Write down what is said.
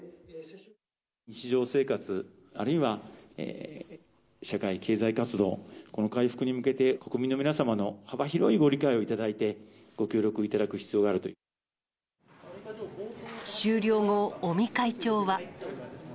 日常生活、あるいは社会経済活動、この回復に向けて、国民の皆様の幅広いご理解をいただいて、ご協力いただく必要があ終了後、尾身会長は。